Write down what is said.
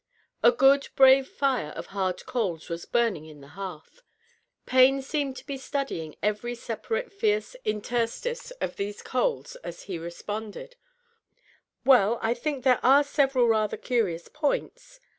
A good, brave fire of hard coals was burning in the hearth. Pa3me seemed to be studying every separate fierce interstice of these coals as he responded, —" Well, I think there are several rather curious points."